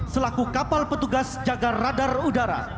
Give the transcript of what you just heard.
selaku kapal petugas jaga radar udara